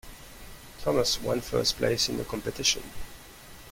Thomas one first place in the competition.